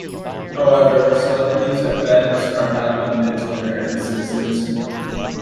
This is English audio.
However, celebrities at Ben's are not limited to American citizens.